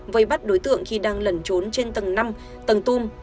với bắt đối tượng khi đang lẩn trốn trên tầng năm tầng tum